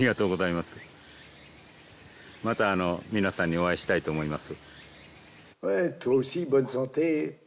また皆さんにお会いしたいと思います